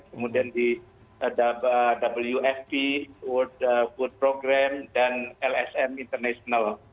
kemudian di wfp world food program dan lsm international